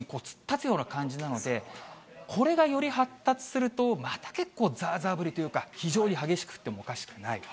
これまた南北に突っ立つような感じなので、これがより発達すると、また結構、ざーざー降りというか、非常に激しく降ってもおかしくない。